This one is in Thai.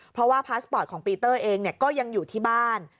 เพราะว่าของปีเตอร์เองเนี่ยก็ยังอยู่ที่บ้าน